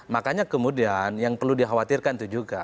makanya kemudian yang perlu dikhawatirkan itu juga